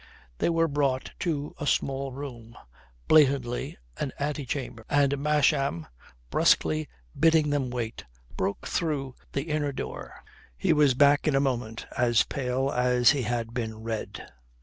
They were brought to a small room, blatantly an antechamber, and Masham, brusquely bidding them wait, broke through the inner door. He was back in a moment as pale as he had been red.